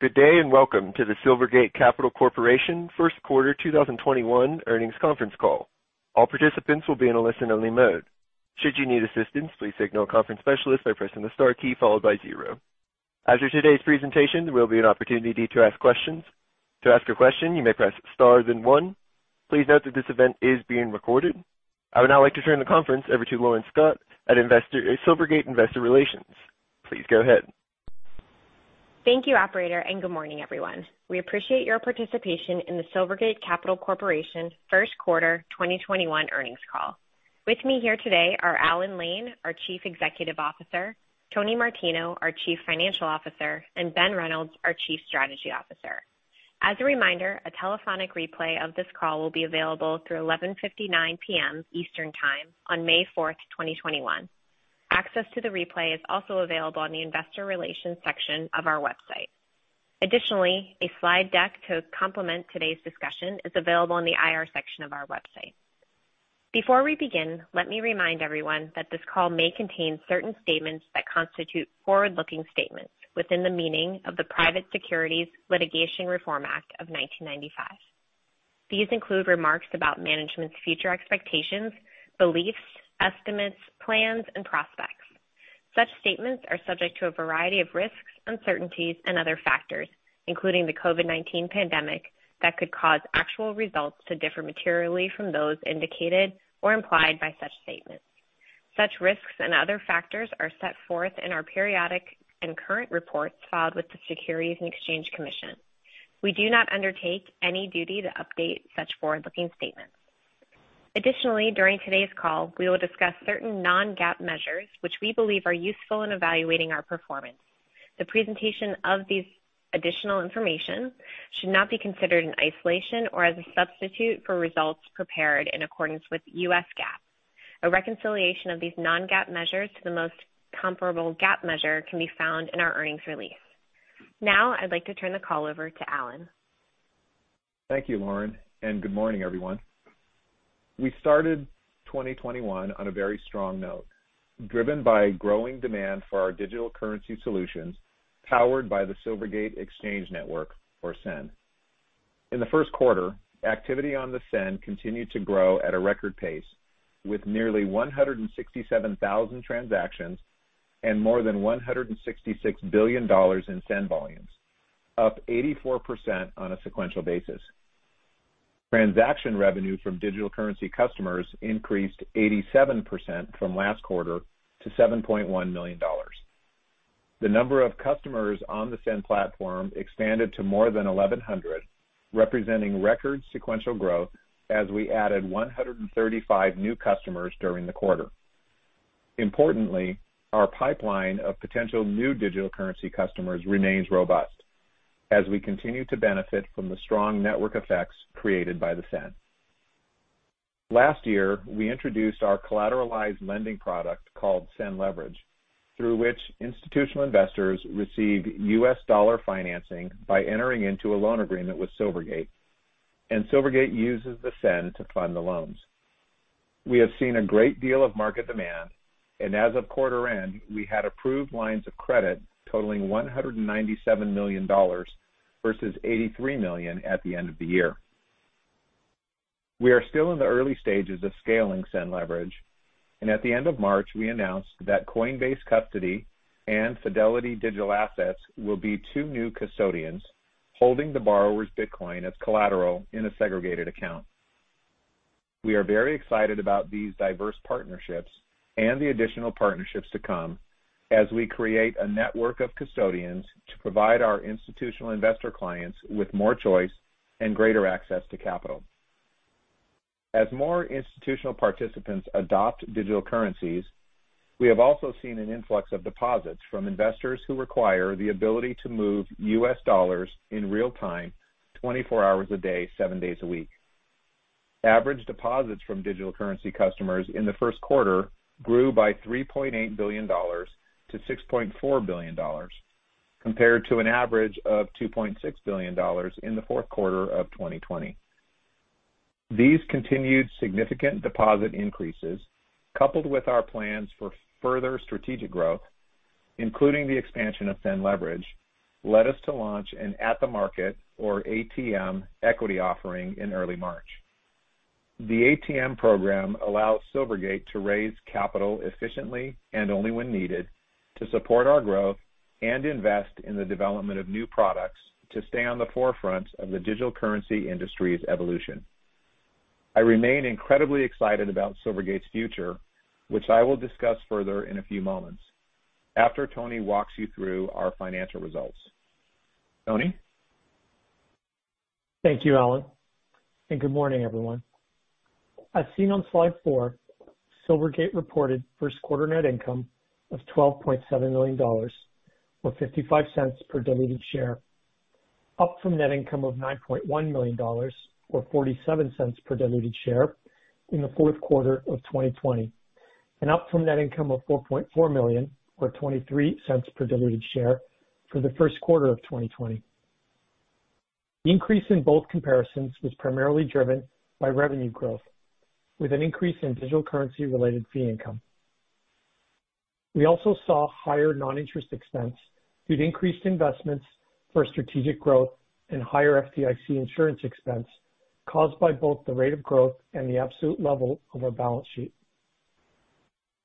Good day. Welcome to the Silvergate Capital Corporation first quarter 2021 earnings conference call. All participants will be in a listen-only mode. Should you need assistance please signal conference specialist by pressing the star key followed by zero. After todays' presentation, there will be an opportunity to ask questions. To ask your question you may press star then one. Please not that this event is being recorded. I would now like to turn the conference over to Lauren Scott, a Silvergate Investor Relations. Please go ahead. Thank you, operator, and good morning, everyone. We appreciate your participation in the Silvergate Capital Corporation first quarter 2021 earnings call. With me here today are Alan Lane, our Chief Executive Officer, Tony Martino, our Chief Financial Officer, and Ben Reynolds, our Chief Strategy Officer. As a reminder, a telephonic replay of this call will be available through 11:59 P.M. Eastern Time on May 4th, 2021. Access to the replay is also available on the investor relations section of our website. Additionally, a slide deck to complement today's discussion is available in the IR section of our website. Before we begin, let me remind everyone that this call may contain certain statements that constitute forward-looking statements within the meaning of the Private Securities Litigation Reform Act of 1995. These include remarks about management's future expectations, beliefs, estimates, plans, and prospects. Such statements are subject to a variety of risks, uncertainties, and other factors, including the COVID-19 pandemic, that could cause actual results to differ materially from those indicated or implied by such statements. Such risks and other factors are set forth in our periodic and current reports filed with the Securities and Exchange Commission. We do not undertake any duty to update such forward-looking statements. Additionally, during today's call, we will discuss certain non-GAAP measures which we believe are useful in evaluating our performance. The presentation of this additional information should not be considered in isolation or as a substitute for results prepared in accordance with U.S. GAAP. A reconciliation of these non-GAAP measures to the most comparable GAAP measure can be found in our earnings release. Now, I'd like to turn the call over to Alan. Thank you, Lauren, good morning, everyone. We started 2021 on a very strong note, driven by growing demand for our digital currency solutions powered by the Silvergate Exchange Network, or SEN. In the first quarter, activity on the SEN continued to grow at a record pace, with nearly 167,000 transactions and more than $166 billion in SEN volumes, up 84% on a sequential basis. Transaction revenue from digital currency customers increased 87% from last quarter to $7.1 million. The number of customers on the SEN platform expanded to more than 1,100, representing record sequential growth as we added 135 new customers during the quarter. Importantly, our pipeline of potential new digital currency customers remains robust as we continue to benefit from the strong network effects created by the SEN. Last year, we introduced our collateralized lending product called SEN Leverage, through which institutional investors receive U.S. dollar financing by entering into a loan agreement with Silvergate, and Silvergate uses the SEN to fund the loans. We have seen a great deal of market demand. As of quarter end, we had approved lines of credit totaling $197 million versus $83 million at the end of the year. We are still in the early stages of scaling SEN Leverage. At the end of March, we announced that Coinbase Custody and Fidelity Digital Assets will be two new custodians holding the borrower's Bitcoin as collateral in a segregated account. We are very excited about these diverse partnerships and the additional partnerships to come as we create a network of custodians to provide our institutional investor clients with more choice and greater access to capital. As more institutional participants adopt digital currencies, we have also seen an influx of deposits from investors who require the ability to move U.S. dollars in real time, 24 hours a day, seven days a week. Average deposits from digital currency customers in the first quarter grew by $3.8 billion to $6.4 billion, compared to an average of $2.6 billion in the fourth quarter of 2020. These continued significant deposit increases, coupled with our plans for further strategic growth, including the expansion of SEN Leverage, led us to launch an at-the-market, or ATM, equity offering in early March. The ATM program allows Silvergate to raise capital efficiently and only when needed to support our growth and invest in the development of new products to stay on the forefront of the digital currency industry's evolution. I remain incredibly excited about Silvergate's future, which I will discuss further in a few moments after Tony walks you through our financial results. Tony? Thank you, Alan, and good morning, everyone. As seen on slide four, Silvergate reported first quarter net income of $12.7 million, or $0.55 per diluted share, up from net income of $9.1 million or $0.47 per diluted share in the fourth quarter of 2020, and up from net income of $4.4 million or $0.23 per diluted share for the first quarter of 2020. The increase in both comparisons was primarily driven by revenue growth, with an increase in digital currency-related fee income. We also saw higher non-interest expense due to increased investments for strategic growth and higher FDIC insurance expense caused by both the rate of growth and the absolute level of our balance sheet.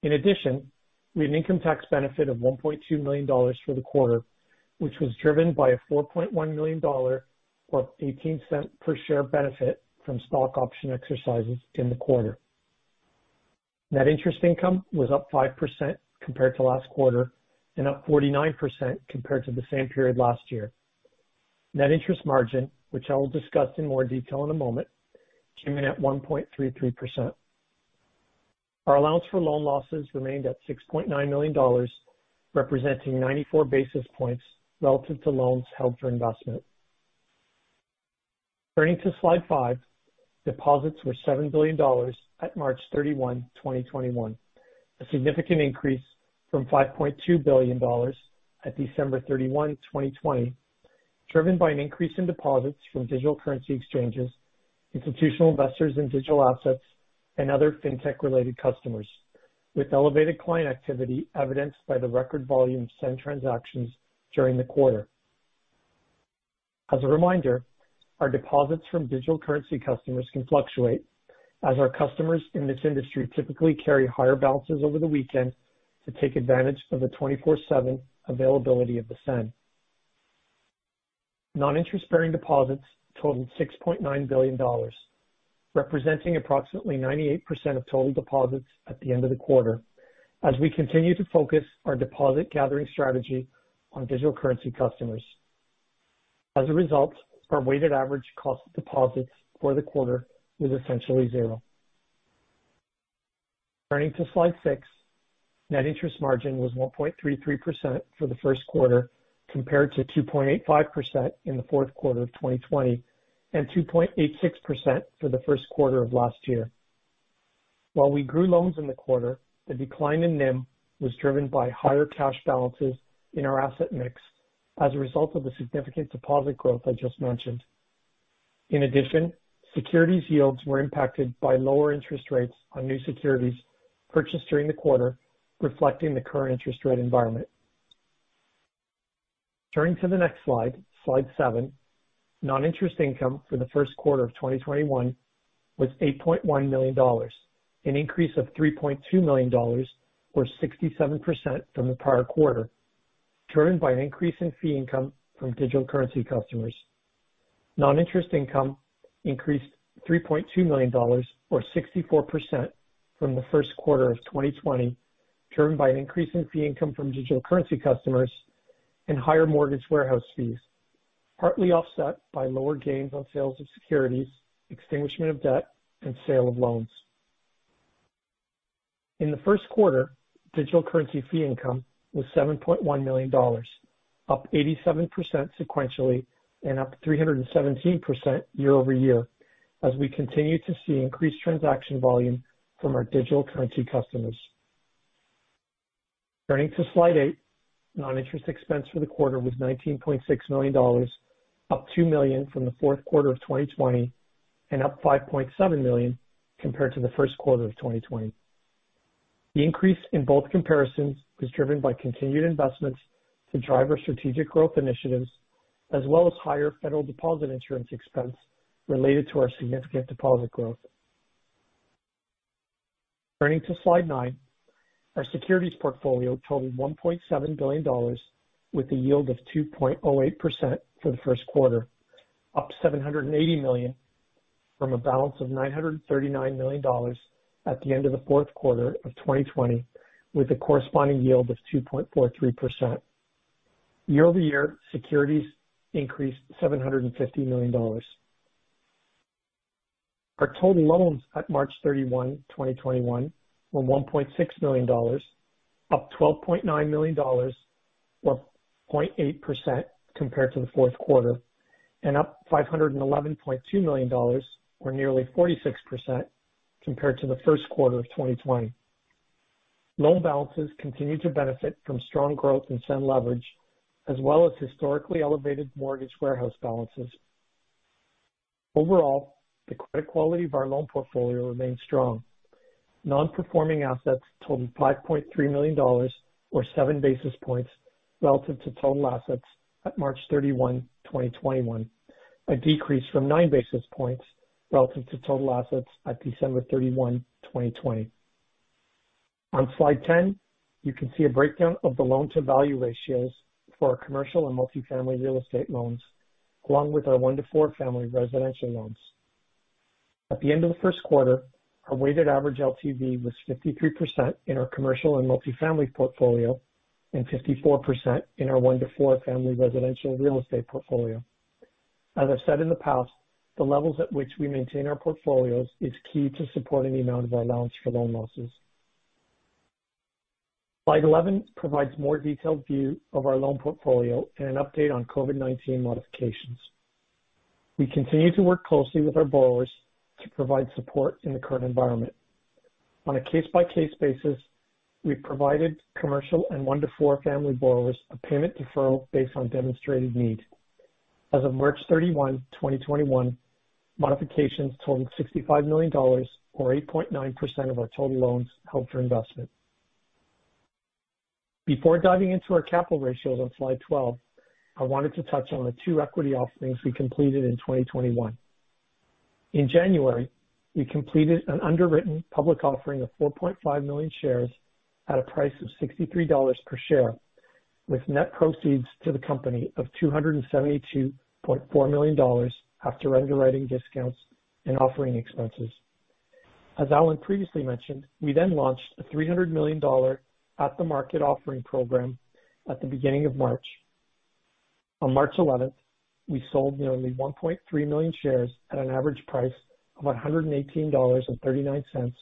In addition, we had an income tax benefit of $1.2 million for the quarter, which was driven by a $4.1 million or $0.18 per share benefit from stock option exercises in the quarter. Net interest income was up 5% compared to last quarter and up 49% compared to the same period last year. Net interest margin, which I will discuss in more detail in a moment, came in at 1.33%. Our allowance for loan losses remained at $6.9 million, representing 94 basis points relative to loans held for investment. Turning to slide five, deposits were $7 billion at March 31, 2021, a significant increase from $5.2 billion at December 31, 2020, driven by an increase in deposits from digital currency exchanges, institutional investors in digital assets, and other fintech-related customers with elevated client activity evidenced by the record volume of SEN transactions during the quarter. As a reminder, our deposits from digital currency customers can fluctuate as our customers in this industry typically carry higher balances over the weekend to take advantage of the 24/7 availability of the SEN. Non-interest-bearing deposits totaled $6.9 billion, representing approximately 98% of total deposits at the end of the quarter, as we continue to focus our deposit gathering strategy on digital currency customers. As a result, our weighted average cost of deposits for the quarter was essentially zero. Turning to slide six, net interest margin was 1.33% for the first quarter, compared to 2.85% in the fourth quarter of 2020 and 2.86% for the first quarter of last year. While we grew loans in the quarter, the decline in NIM was driven by higher cash balances in our asset mix as a result of the significant deposit growth I just mentioned. Securities yields were impacted by lower interest rates on new securities purchased during the quarter, reflecting the current interest rate environment. Turning to the next slide seven. Non-interest income for the first quarter of 2021 was $8.1 million, an increase of $3.2 million or 67% from the prior quarter, driven by an increase in fee income from digital currency customers. Non-interest income increased $3.2 million or 64% from the first quarter of 2020, driven by an increase in fee income from digital currency customers and higher mortgage warehouse fees, partly offset by lower gains on sales of securities, extinguishment of debt, and sale of loans. In the first quarter, digital currency fee income was $7.1 million, up 87% sequentially and up 317% year-over-year, as we continue to see increased transaction volume from our digital currency customers. Turning to slide eight, non-interest expense for the quarter was $19.6 million, up $2 million from the fourth quarter of 2020 and up $5.7 million compared to the first quarter of 2020. The increase in both comparisons was driven by continued investments to drive our strategic growth initiatives, as well as higher Federal Deposit Insurance expense related to our significant deposit growth. Turning to slide nine, our securities portfolio totaled $1.7 billion with a yield of 2.08% for the first quarter, up $780 million from a balance of $939 million at the end of the fourth quarter of 2020, with a corresponding yield of 2.43%. Year-over-year, securities increased $750 million. Our total loans at March 31, 2021, were $1.6 billion, up $12.9 million or 0.8% compared to the fourth quarter, and up $511.2 million or nearly 46% compared to the first quarter of 2020. Loan balances continue to benefit from strong growth in SEN Leverage, as well as historically elevated mortgage warehouse balances. Overall, the credit quality of our loan portfolio remains strong. Non-performing assets totaled $5.3 million or 7 basis points relative to total assets at March 31, 2021, a decrease from 9 basis points relative to total assets at December 31, 2020. On slide 10, you can see a breakdown of the loan-to-value ratios for our commercial and multifamily real estate loans, along with our one to four family residential loans. At the end of the first quarter, our weighted average LTV was 53% in our commercial and multifamily portfolio and 54% in our one to four family residential real estate portfolio. As I've said in the past, the levels at which we maintain our portfolios is key to supporting the amount of our allowance for loan losses. Slide 11 provides a more detailed view of our loan portfolio and an update on COVID-19 modifications. We continue to work closely with our borrowers to provide support in the current environment. On a case-by-case basis, we provided commercial and one to four family borrowers a payment deferral based on demonstrated need. As of March 31st, 2021, modifications totaling $65 million, or 8.9% of our total loans, held for investment. Before diving into our capital ratios on slide 12, I wanted to touch on the two equity offerings we completed in 2021. In January, we completed an underwritten public offering of 4.5 million shares at a price of $63 per share, with net proceeds to the company of $272.4 million after underwriting discounts and offering expenses. As Alan previously mentioned, we then launched a $300 million at-the-market offering program at the beginning of March. On March 11th, we sold nearly 1.3 million shares at an average price of $118.39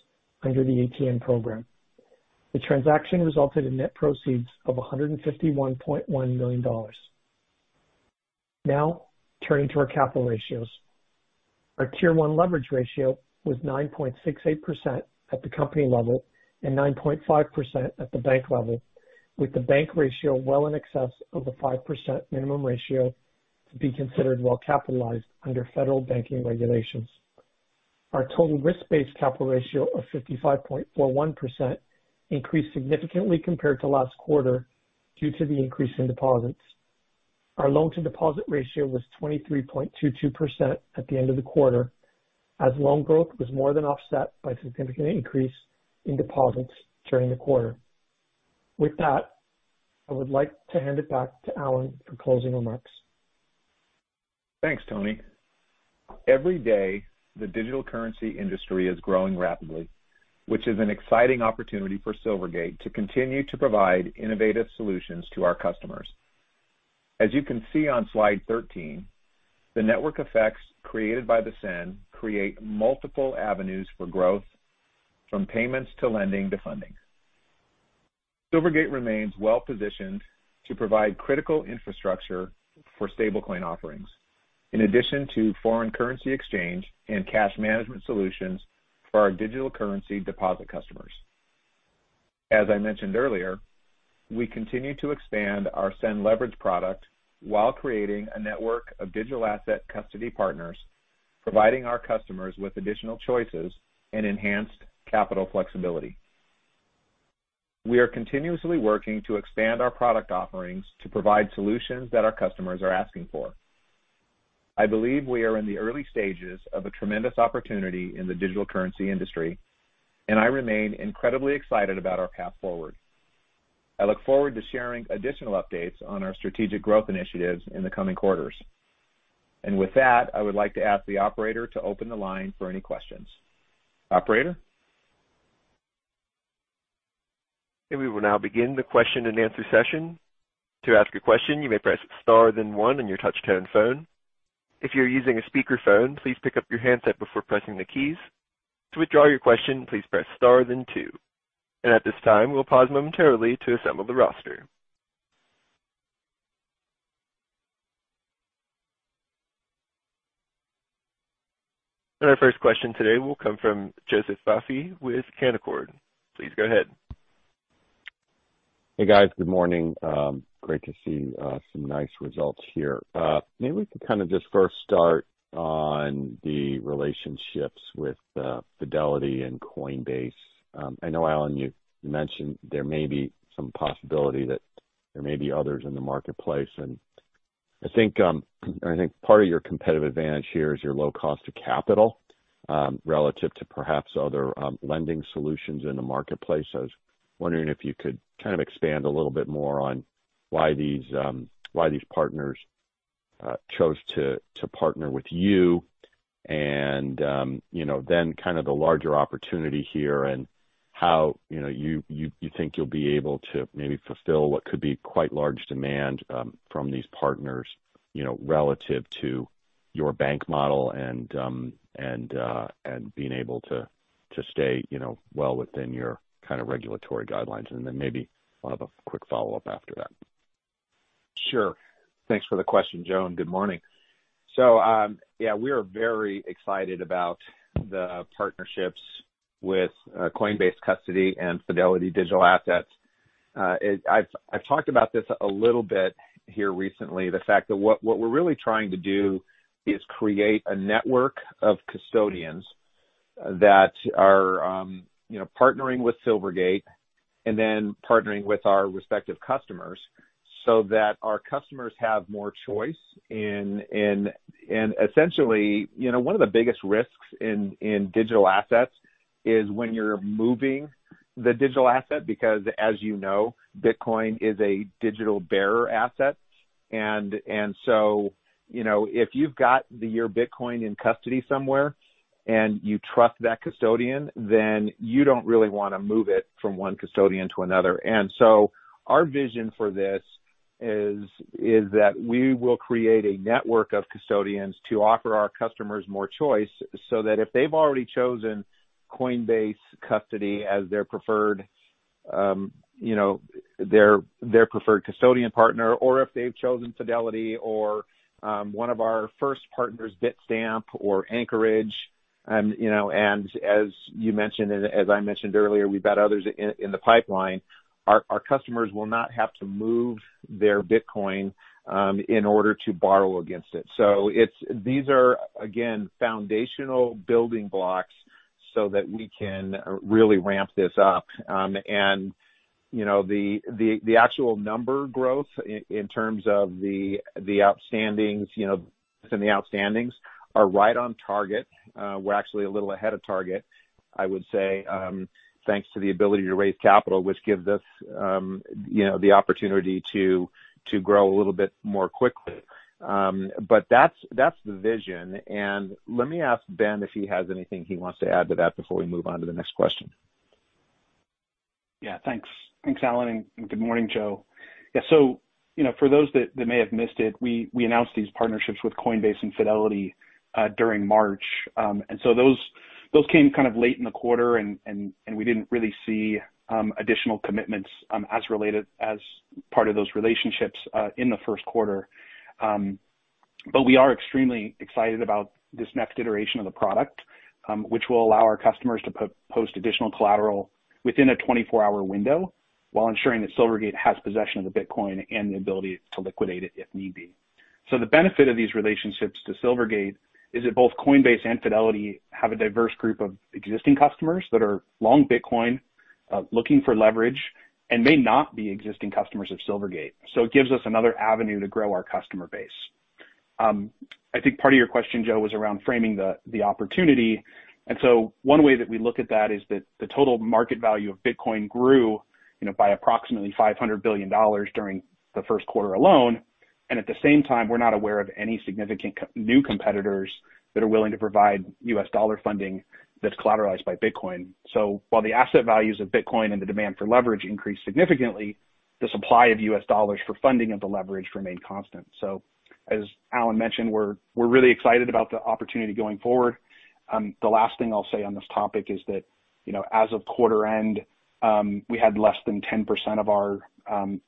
under the ATM program. The transaction resulted in net proceeds of $151.1 million. Turning to our capital ratios. Our Tier 1 leverage ratio was 9.68% at the company level and 9.5% at the bank level, with the bank ratio well in excess of the 5% minimum ratio to be considered well-capitalized under federal banking regulations. Our total risk-based capital ratio of 55.41% increased significantly compared to last quarter due to the increase in deposits. Our loan-to-deposit ratio was 23.22% at the end of the quarter, as loan growth was more than offset by significant increase in deposits during the quarter. With that, I would like to hand it back to Alan for closing remarks. Thanks, Tony. Every day, the digital currency industry is growing rapidly, which is an exciting opportunity for Silvergate to continue to provide innovative solutions to our customers. As you can see on slide 13, the network effects created by the SEN create multiple avenues for growth, from payments to lending to funding. Silvergate remains well-positioned to provide critical infrastructure for stablecoin offerings, in addition to foreign currency exchange and cash management solutions for our digital currency deposit customers. As I mentioned earlier, we continue to expand our SEN Leverage product while creating a network of digital asset custody partners, providing our customers with additional choices and enhanced capital flexibility. We are continuously working to expand our product offerings to provide solutions that our customers are asking for. I believe we are in the early stages of a tremendous opportunity in the digital currency industry, and I remain incredibly excited about our path forward. I look forward to sharing additional updates on our strategic growth initiatives in the coming quarters. With that, I would like to ask the operator to open the line for any questions. Operator? We will now begin the question-and-answer session. To ask a question you may press star then one on your touch-tone phone. If you are using a speaker phone please pick up your handset before pressing the keys. To withdraw your question please press star then two. At this time we will pause momentarily to assemble the roster. Our first question today will come from Joseph Vafi with Canaccord. Please go ahead. Hey, guys. Good morning. Great to see some nice results here. Maybe we can kind of just first start on the relationships with Fidelity and Coinbase. I know, Alan, you mentioned there may be some possibility that there may be others in the marketplace. I think part of your competitive advantage here is your low cost of capital relative to perhaps other lending solutions in the marketplace. I was wondering if you could kind of expand a little bit more on why these partners chose to partner with you and then kind of the larger opportunity here and how you think you'll be able to maybe fulfill what could be quite large demand from these partners relative to your bank model and being able to stay well within your kind of regulatory guidelines? Maybe I'll have a quick follow-up after that. Sure. Thanks for the question, Joe. Good morning. Yeah, we are very excited about the partnerships with Coinbase Custody and Fidelity Digital Assets. I've talked about this a little bit here recently. The fact that what we're really trying to do is create a network of custodians that are partnering with Silvergate, partnering with our respective customers so that our customers have more choice. Essentially, one of the biggest risks in digital assets is when you're moving the digital asset, because as you know, Bitcoin is a digital bearer asset. If you've got your Bitcoin in custody somewhere and you trust that custodian, you don't really want to move it from one custodian to another. Our vision for this is that we will create a network of custodians to offer our customers more choice so that if they've already chosen Coinbase Custody as their preferred custodian partner, or if they've chosen Fidelity or one of our first partners, Bitstamp or Anchorage. As you mentioned, as I mentioned earlier, we've got others in the pipeline. Our customers will not have to move their Bitcoin in order to borrow against it. These are, again, foundational building blocks so that we can really ramp this up. The actual number growth in terms of the outstandings are right on target. We're actually a little ahead of target, I would say, thanks to the ability to raise capital, which gives us the opportunity to grow a little bit more quickly. That's the vision, and let me ask Ben if he has anything he wants to add to that before we move on to the next question. Yeah, thanks, Alan, good morning, Joe. Yeah, for those that may have missed it, we announced these partnerships with Coinbase and Fidelity during March. Those came kind of late in the quarter, and we didn't really see additional commitments as part of those relationships in the first quarter. We are extremely excited about this next iteration of the product, which will allow our customers to post additional collateral within a 24-hour window while ensuring that Silvergate has possession of the Bitcoin and the ability to liquidate it if need be. The benefit of these relationships to Silvergate is that both Coinbase and Fidelity have a diverse group of existing customers that are long Bitcoin, looking for leverage, and may not be existing customers of Silvergate. It gives us another avenue to grow our customer base. I think part of your question, Joe, was around framing the opportunity. One way that we look at that is that the total market value of Bitcoin grew by approximately $500 billion during the first quarter alone. At the same time, we're not aware of any significant new competitors that are willing to provide U.S. dollar funding that's collateralized by Bitcoin. While the asset values of Bitcoin and the demand for leverage increased significantly, the supply of U.S. dollars for funding of the leverage remained constant. As Alan mentioned, we're really excited about the opportunity going forward. The last thing I'll say on this topic is that as of quarter end, we had less than 10% of our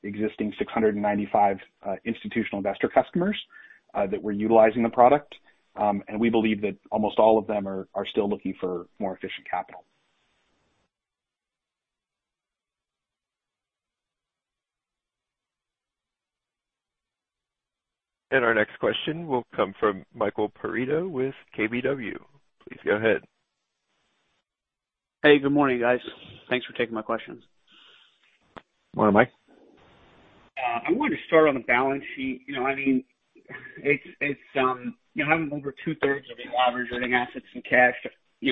existing 695 institutional investor customers that were utilizing the product. We believe that almost all of them are still looking for more efficient capital. Our next question will come from Michael Perito with KBW. Please go ahead. Hey, good morning, guys. Thanks for taking my questions. Morning, Mike. I wanted to start on the balance sheet. Having over 2/3 of it leveraged earning assets and cash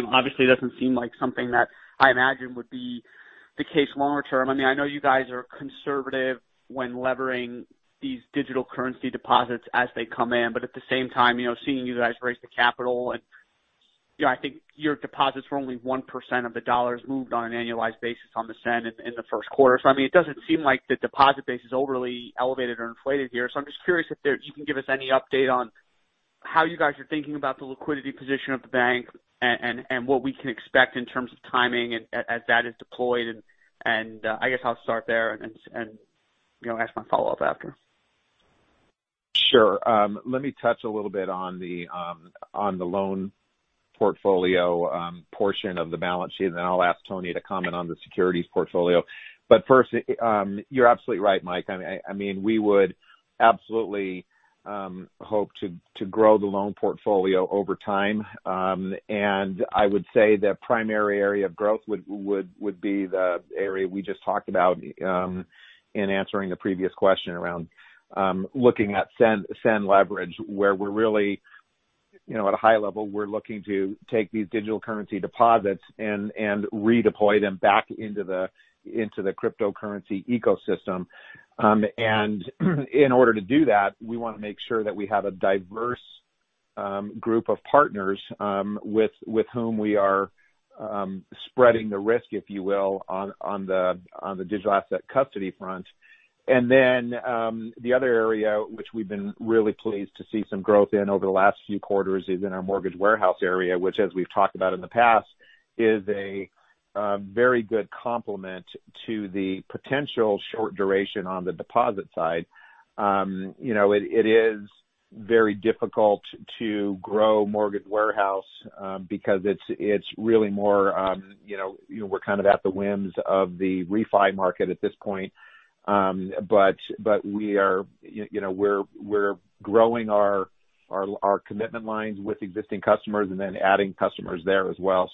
obviously doesn't seem like something that I imagine would be the case longer term. I know you guys are conservative when levering these digital currency deposits as they come in. At the same time, seeing you guys raise the capital, I think your deposits were only 1% of the dollars moved on an annualized basis on the SEN in the first quarter. It doesn't seem like the deposit base is overly elevated or inflated here. I'm just curious if you can give us any update on how you guys are thinking about the liquidity position of the bank and what we can expect in terms of timing as that is deployed. I guess I'll start there and ask my follow-up after. Sure. Let me touch a little bit on the loan portfolio portion of the balance sheet, and then I'll ask Tony to comment on the securities portfolio. First, you're absolutely right, Mike. We would absolutely hope to grow the loan portfolio over time. I would say the primary area of growth would be the area we just talked about in answering the previous question around looking at SEN Leverage, where we're really at a high level, we're looking to take these digital currency deposits and redeploy them back into the cryptocurrency ecosystem. In order to do that, we want to make sure that we have a diverse group of partners with whom we are spreading the risk, if you will, on the digital asset custody front. The other area which we've been really pleased to see some growth in over the last few quarters is in our mortgage warehouse area, which as we've talked about in the past, is a very good complement to the potential short duration on the deposit side. It is very difficult to grow mortgage warehouse because it's really more we're kind of at the whims of the refi market at this point. We're growing our commitment lines with existing customers and then adding customers there as well.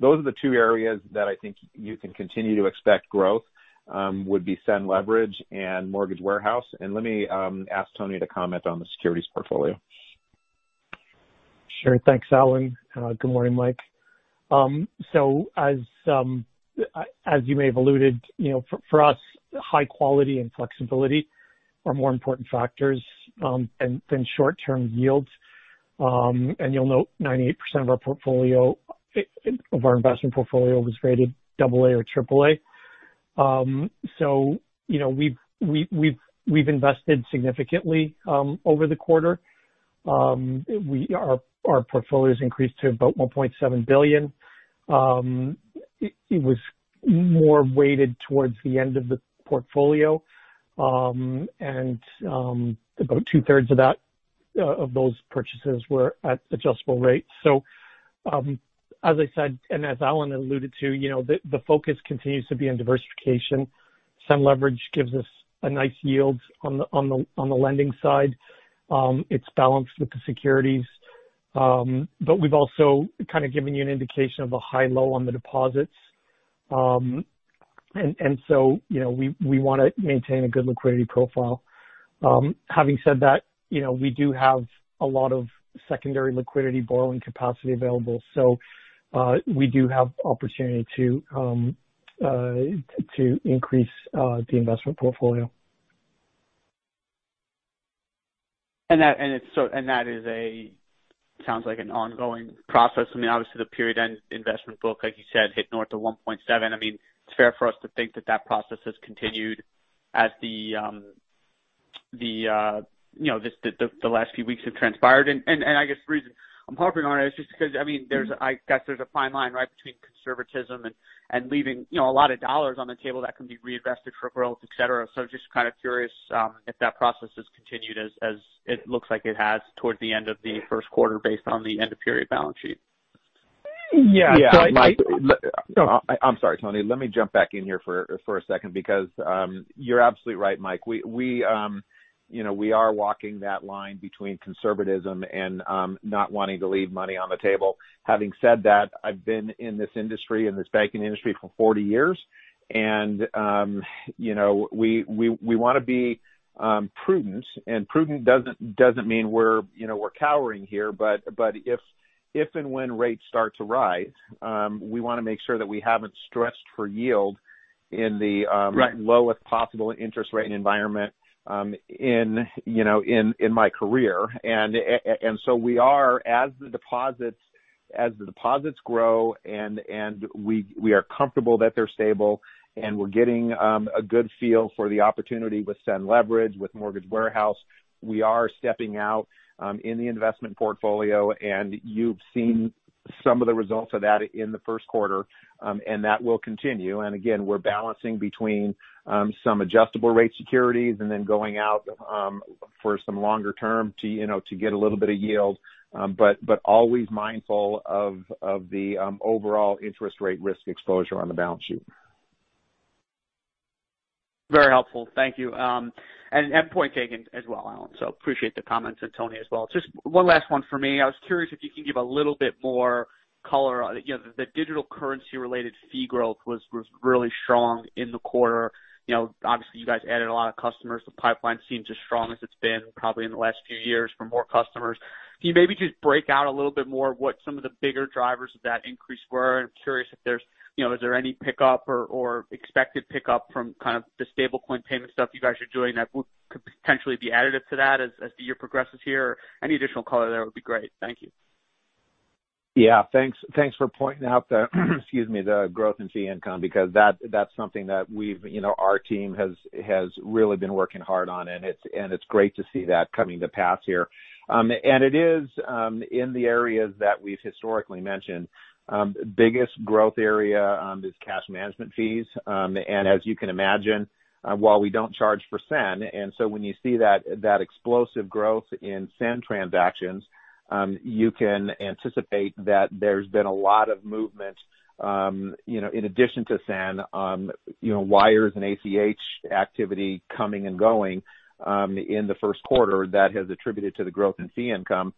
Those are the two areas that I think you can continue to expect growth, would be SEN Leverage and mortgage warehouse. Let me ask Tony to comment on the securities portfolio. Sure. Thanks, Alan. Good morning, Mike. As you may have alluded, for us, high quality and flexibility are more important factors than short-term yields. You'll note 98% of our investment portfolio was rated AA or AAA. We've invested significantly over the quarter. Our portfolios increased to about $1.7 billion. It was more weighted towards the end of the portfolio. About 2/3 of those purchases were at adjustable rates. As I said, and as Alan alluded to, the focus continues to be on diversification. SEN leverage gives us a nice yield on the lending side. It's balanced with the securities. We've also kind of given you an indication of a high-low on the deposits. We want to maintain a good liquidity profile. Having said that, we do have a lot of secondary liquidity borrowing capacity available. We do have opportunity to increase the investment portfolio. That sounds like an ongoing process. Obviously the period-end investment book, like you said, hit north of $1.7. It's fair for us to think that that process has continued as the last few weeks have transpired. I guess the reason I'm harping on it is just because there's a fine line between conservatism and leaving a lot of dollars on the table that can be reinvested for growth, et cetera. Just kind of curious if that process has continued as it looks like it has towards the end of the first quarter based on the end of period balance sheet. Yeah. Yeah. I'm sorry, Tony. Let me jump back in here for a second because you're absolutely right, Mike. We are walking that line between conservatism and not wanting to leave money on the table. Having said that, I've been in this industry, in this banking industry for 40 years. We want to be prudent. Prudent doesn't mean we're cowering here. If and when rates start to rise, we want to make sure that we haven't stressed for yield. Right. Lowest possible interest rate environment in my career. We are, as the deposits grow and we are comfortable that they're stable and we're getting a good feel for the opportunity with SEN Leverage, with mortgage warehouse, we are stepping out in the investment portfolio. You've seen some of the results of that in the first quarter, and that will continue. Again, we're balancing between some adjustable rate securities and then going out for some longer term to get a little bit of yield. Always mindful of the overall interest rate risk exposure on the balance sheet. Very helpful. Thank you. Point taken as well, Alan. Appreciate the comments. Tony as well. Just one last one for me. I was curious if you could give a little bit more color. The digital currency-related fee growth was really strong in the quarter. Obviously you guys added a lot of customers. The pipeline seems as strong as it's been probably in the last few years for more customers. Can you maybe just break out a little bit more what some of the bigger drivers of that increase were? I'm curious if there's any pickup or expected pickup from kind of the stablecoin payment stuff you guys are doing that could potentially be additive to that as the year progresses here? Any additional color there would be great. Thank you. Yeah. Thanks for pointing out the excuse me, the growth in fee income, because that's something that our team has really been working hard on, and it's great to see that coming to pass here. It is in the areas that we've historically mentioned. Biggest growth area is cash management fees. As you can imagine, while we don't charge for SEN, when you see that explosive growth in SEN transactions, you can anticipate that there's been a lot of movement in addition to SEN, wires and ACH activity coming and going in the first quarter that has attributed to the growth in fee income.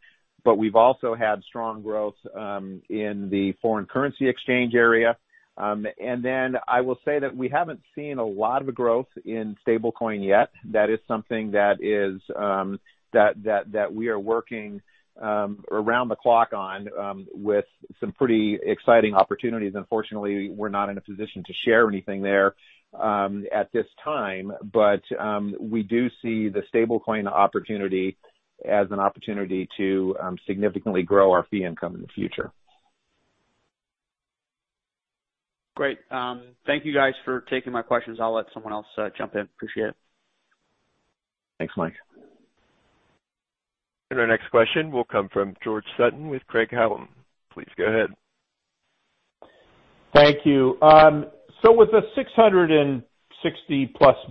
We've also had strong growth in the foreign currency exchange area. I will say that we haven't seen a lot of growth in stablecoin yet. That is something that we are working around the clock on with some pretty exciting opportunities. Unfortunately, we're not in a position to share anything there at this time. We do see the stablecoin opportunity as an opportunity to significantly grow our fee income in the future. Great. Thank you guys for taking my questions. I'll let someone else jump in. Appreciate it. Thanks, Mike. Our next question will come from George Sutton with Craig-Hallum. Please go ahead. Thank you. With a $660+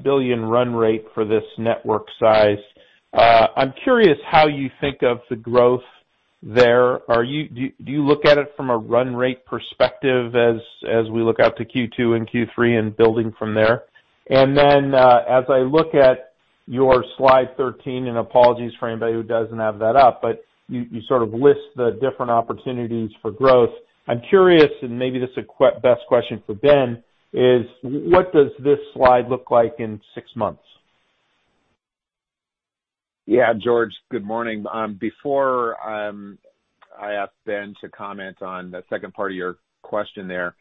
billion run rate for this network size, I'm curious how you think of the growth there. Do you look at it from a run rate perspective as we look out to Q2 and Q3 and building from there? Then as I look at your slide 13, and apologies for anybody who doesn't have that up, but you sort of list the different opportunities for growth. I'm curious, and maybe this is best question for Ben, is what does this slide look like in six months? Yeah. George, good morning. Before I ask Ben to comment on the second part of your question there,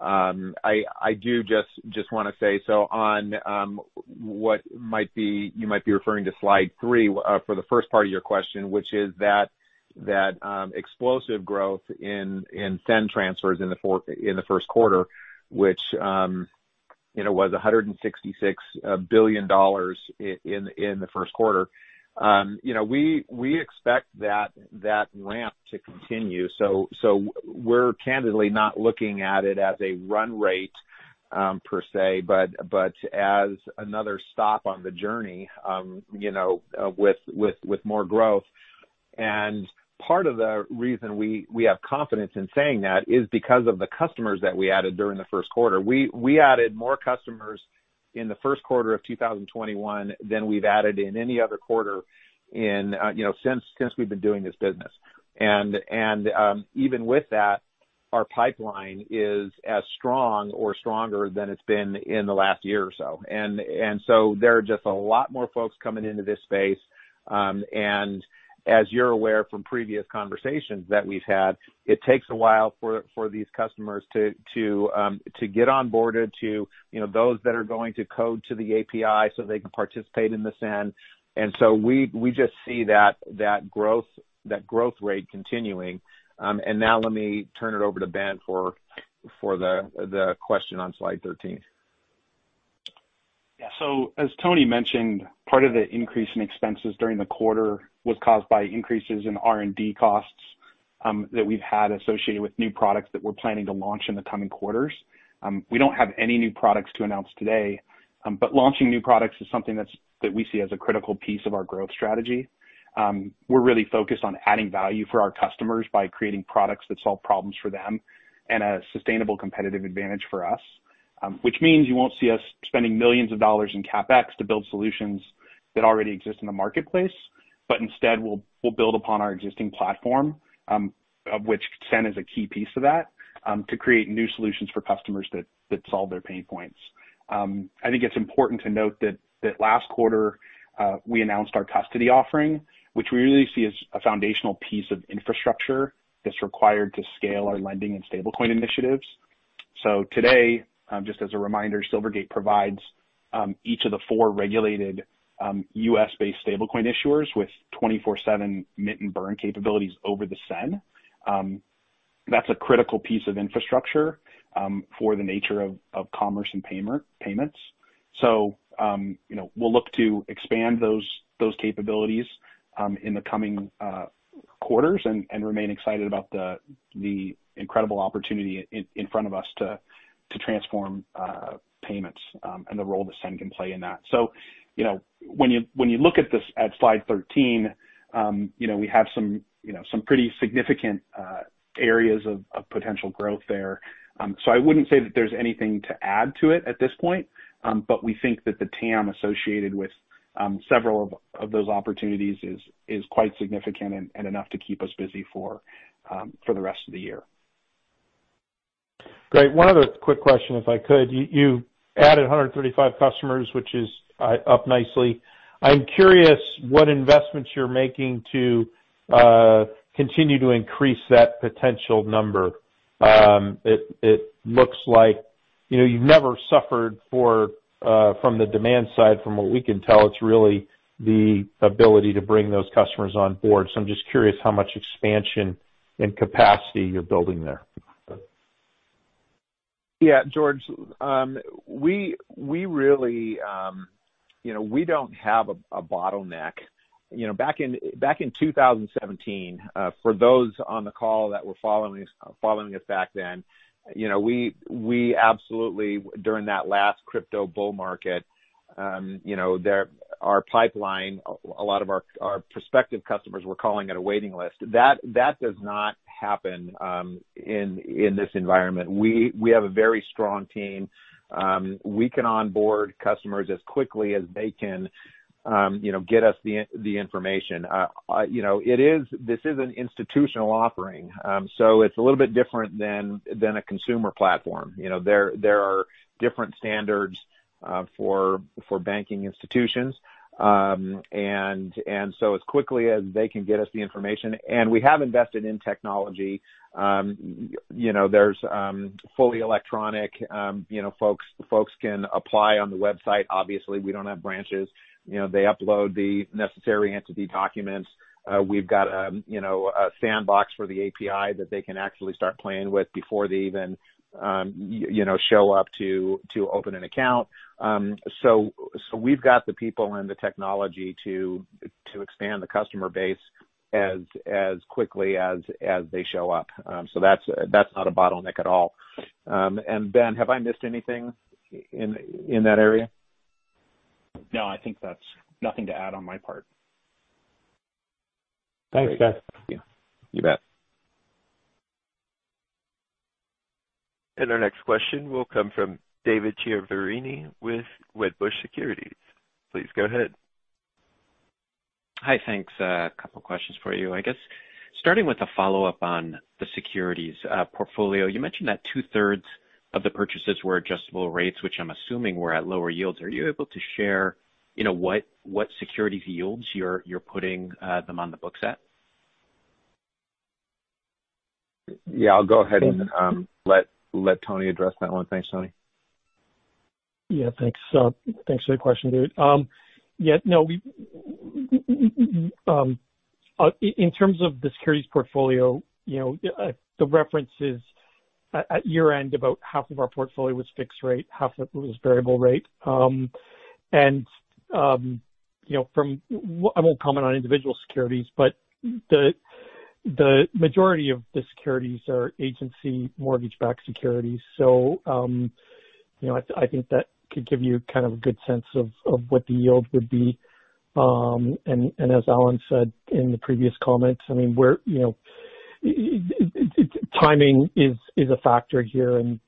I do just want to say, so on what you might be referring to slide three for the first part of your question, which is That explosive growth in SEN transfers in the first quarter, which was $166 billion in the first quarter. We expect that ramp to continue. We're candidly not looking at it as a run rate per se, but as another stop on the journey with more growth. Part of the reason we have confidence in saying that is because of the customers that we added during the first quarter. We added more customers in the first quarter of 2021 than we've added in any other quarter since we've been doing this business. Even with that, our pipeline is as strong or stronger than it's been in the last year or so. There are just a lot more folks coming into this space. As you're aware from previous conversations that we've had, it takes a while for these customers to get onboarded, those that are going to code to the API so they can participate in the SEN. We just see that growth rate continuing. Now let me turn it over to Ben for the question on slide 13. Yeah. As Tony mentioned, part of the increase in expenses during the quarter was caused by increases in R&D costs that we've had associated with new products that we're planning to launch in the coming quarters. We don't have any new products to announce today. Launching new products is something that we see as a critical piece of our growth strategy. We're really focused on adding value for our customers by creating products that solve problems for them and a sustainable competitive advantage for us. Which means you won't see us spending millions of dollars in CapEx to build solutions that already exist in the marketplace. Instead, we'll build upon our existing platform, of which SEN is a key piece of that, to create new solutions for customers that solve their pain points. I think it's important to note that last quarter, we announced our custody offering, which we really see as a foundational piece of infrastructure that's required to scale our lending and stablecoin initiatives. Today, just as a reminder, Silvergate provides each of the four regulated U.S.-based stablecoin issuers with 24/7 mint and burn capabilities over the SEN. That's a critical piece of infrastructure for the nature of commerce and payments. We'll look to expand those capabilities in the coming quarters and remain excited about the incredible opportunity in front of us to transform payments and the role that SEN can play in that. When you look at slide 13, we have some pretty significant areas of potential growth there. I wouldn't say that there's anything to add to it at this point. We think that the TAM associated with several of those opportunities is quite significant and enough to keep us busy for the rest of the year. Great. One other quick question, if I could. You added 135 customers, which is up nicely. I'm curious what investments you're making to continue to increase that potential number. It looks like you've never suffered from the demand side, from what we can tell. It's really the ability to bring those customers on board. I'm just curious how much expansion and capacity you're building there? Yeah, George. We don't have a bottleneck. Back in 2017, for those on the call that were following us back then, we absolutely, during that last crypto bull market, our pipeline, a lot of our prospective customers were calling it a waiting list. That does not happen in this environment. We have a very strong team. We can onboard customers as quickly as they can get us the information. This is an institutional offering. It's a little bit different than a consumer platform. There are different standards for banking institutions. As quickly as they can get us the information, and we have invested in technology. There's fully electronic. Folks can apply on the website. Obviously, we don't have branches. They upload the necessary entity documents. We've got a sandbox for the API that they can actually start playing with before they even show up to open an account. We've got the people and the technology to expand the customer base as quickly as they show up. That's not a bottleneck at all. Ben, have I missed anything in that area? No, I think that's nothing to add on my part. Thanks, guys. Yeah. You bet. Our next question will come from David Chiaverini with Wedbush Securities. Please go ahead. Hi, thanks. A couple questions for you. I guess, starting with a follow-up on the securities portfolio. You mentioned that 2/3 of the purchases were adjustable rates, which I'm assuming were at lower yields. Are you able to share what securities yields you're putting them on the books at? Yeah, I'll go ahead and let Tony address that one. Thanks, Tony. Yeah, thanks. Thanks for your question, David. In terms of the securities portfolio, the reference is at year-end, about half of our portfolio was fixed rate, half of it was variable rate. I won't comment on individual securities, but the majority of the securities are agency mortgage-backed securities. I think that could give you kind of a good sense of what the yield would be. As Alan said in the previous comments, timing is a factor here in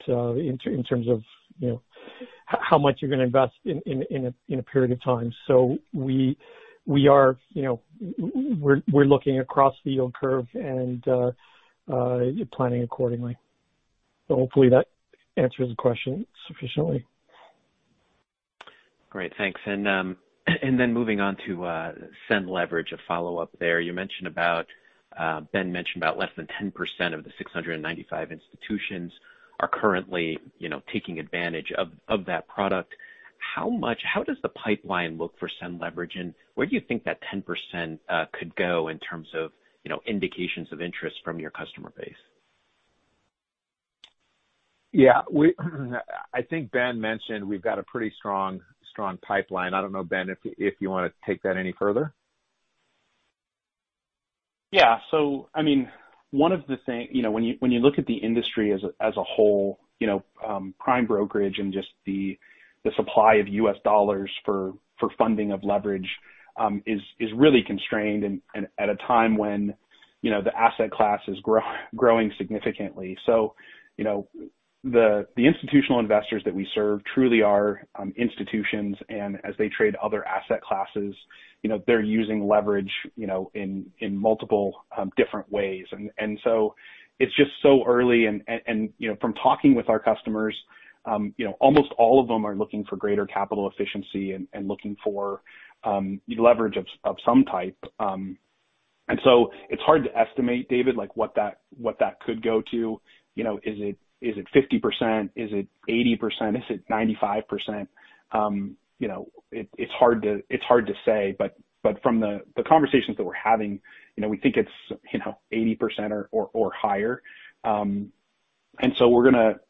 terms of how much you're going to invest in a period of time. We're looking across the yield curve and planning accordingly. Hopefully that answers the question sufficiently. Great, thanks. Moving on to SEN Leverage, a follow-up there, Ben mentioned about less than 10% of the 695 institutions are currently taking advantage of that product. How does the pipeline look for SEN Leverage, and where do you think that 10% could go in terms of indications of interest from your customer base? Yeah. I think Ben mentioned we've got a pretty strong pipeline. I don't know, Ben, if you want to take that any further. When you look at the industry as a whole, prime brokerage and just the supply of U.S. dollars for funding of leverage is really constrained and at a time when the asset class is growing significantly. The institutional investors that we serve truly are institutions, and as they trade other asset classes, they're using leverage in multiple different ways. It's just so early, and from talking with our customers, almost all of them are looking for greater capital efficiency and looking for leverage of some type. It's hard to estimate, David, what that could go to. Is it 50%? Is it 80%? Is it 95%? It's hard to say, but from the conversations that we're having, we think it's 80% or higher.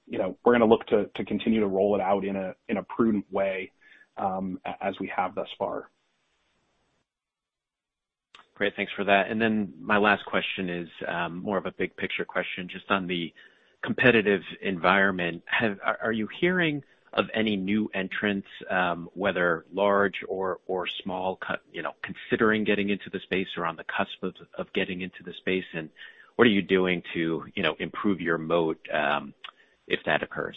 We're going to look to continue to roll it out in a prudent way as we have thus far. Great. Thanks for that. My last question is more of a big-picture question just on the competitive environment. Are you hearing of any new entrants, whether large or small, considering getting into the space or on the cusp of getting into the space, and what are you doing to improve your moat if that occurs?